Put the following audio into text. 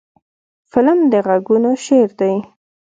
فلم د غږونو شعر دی